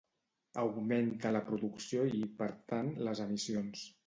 Augmenta la producció i, per tant, les emissions.